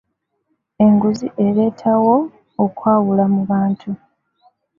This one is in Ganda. enguzi ereetawo okwawula mu bantu.